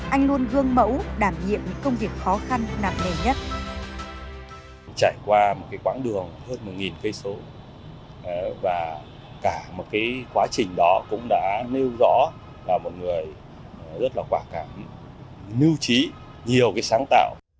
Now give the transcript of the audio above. anh luôn gương mẫu đảm nhiệm những công việc khó khăn nặng nề nhất